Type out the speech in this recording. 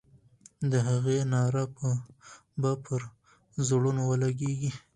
د هغې ناره به پر زړونو ولګي.